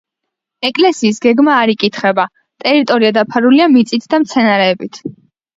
ეკლესიის გეგმა არ იკითხება, ტერიტორია დაფარულია მიწით და მცენარეებით.